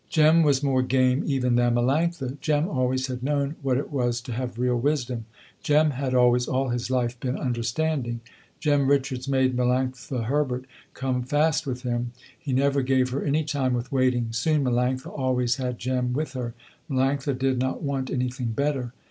Jem was more game even than Melanctha. Jem always had known what it was to have real wisdom. Jem had always all his life been understanding. Jem Richards made Melanctha Herbert come fast with him. He never gave her any time with waiting. Soon Melanctha always had Jem with her. Melanctha did not want anything better.